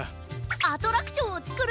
アトラクションをつくるんだ！